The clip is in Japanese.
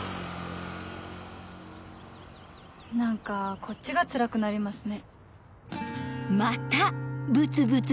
何かこっちがつらくなりますね。